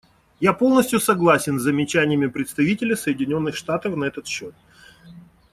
Я полностью согласен с замечаниями представителя Соединенных Штатов на этот счет.